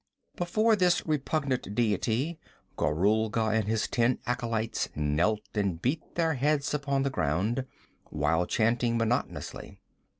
Before this repugnant deity Gorulga and his ten acolytes knelt and beat their heads upon the ground, while chanting monotonously.